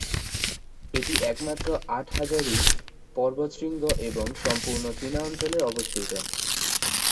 এটি একমাত্র আট-হাজারী পর্বতশৃঙ্গ যা সম্পূর্ণ চীনা অঞ্চলে অবস্থিত।